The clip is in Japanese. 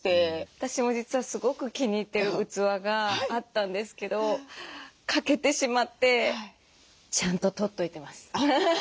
私も実はすごく気に入ってる器があったんですけど欠けてしまってちゃんと取っといてます。